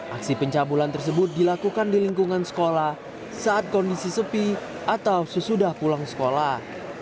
aksi pencabulan tersebut dilakukan di lingkungan sekolah saat kondisi sepi atau sesudah pulang sekolah